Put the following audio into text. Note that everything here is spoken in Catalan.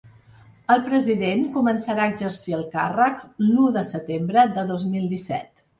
El president començarà a exercir el càrrec l’u de setembre de dos mil disset.